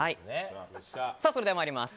それでは参ります。